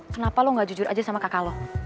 kenapa lo gak jujur aja sama kakak lo